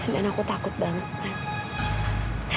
dan aku takut banget man